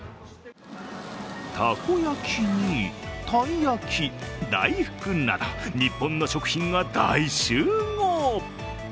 たこ焼きに、たい焼き大福など、日本の食品が大集合。